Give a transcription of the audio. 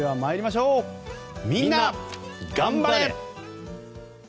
みんながん晴れ！